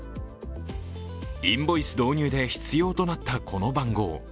インボイス導入で必要となったこの番号。